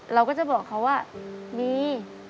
เราก็จะบอกเขาว่ามี